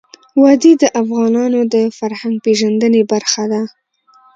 وادي د افغانانو د فرهنګ پیژندني برخه ده.